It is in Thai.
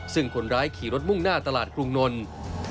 ซึ่งคนร้ายขี่รถมุ่งหน้าตลาดกรุงนล